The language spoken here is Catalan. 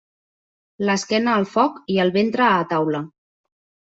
L'esquena al foc i el ventre a taula.